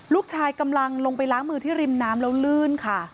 กำลังลงไปล้างมือที่ริมน้ำแล้วลื่นค่ะ